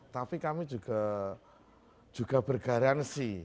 tapi kami juga bergaransi